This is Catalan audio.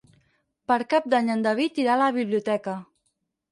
Per Cap d'Any en David irà a la biblioteca.